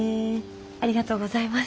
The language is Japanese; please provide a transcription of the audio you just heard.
ありがとうございます。